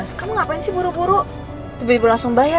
saya duluan ya